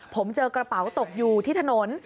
ผมเจอกระเป๋าตกอยู่ที่ถนน